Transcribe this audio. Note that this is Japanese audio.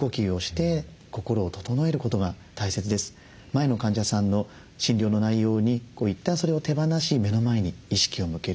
前の患者さんの診療の内容にいったんそれを手放し目の前に意識を向ける。